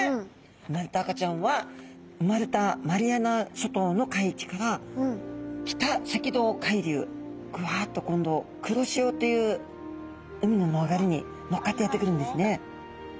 なんと赤ちゃんは生まれたマリアナ諸島の海域から北赤道海流グワッと今度黒潮という海の流れに乗っかってやって来るんですね。